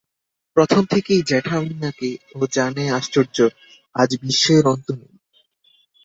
প্রথম থেকেই জ্যাঠাইমাকে ও জানে আশ্চর্য, আজ বিস্ময়ের অন্ত নেই।